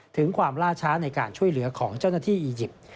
ถึงความล่าช้าในการช่วยเหลือของเจ้าหน้าที่อียิปต์